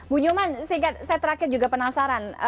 bu nyoman singkat saya terakhir juga penasaran